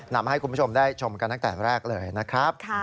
นำให้คุณผู้ชมได้ชมกันตั้งแต่แรกเลยนะครับ